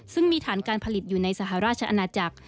ซึ่งมีฐานการผลิตอยู่ในสหราชอาณาจักร